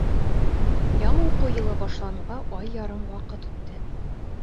Яңы уҡыу йылы башланыуға ай ярым ваҡыт үтте.